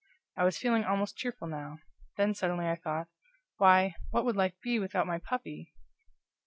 I was feeling almost cheerful now; then suddenly I thought: Why, what would life be without my puppy!